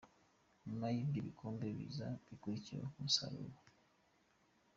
Nyuma y'ibyo, ibikombe biza bikurikiraho nk'umusaruro".